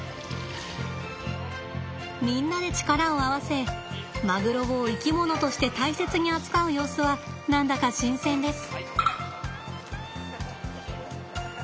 みんなで力を合わせマグロを生き物として大切に扱う様子は何だか新鮮です。